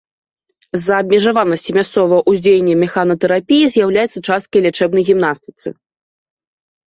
З-за абмежаванасці мясцовага ўздзеяння механатэрапіі з'яўляецца часткай лячэбнай гімнастыцы.